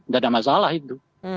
gak ada masalah itu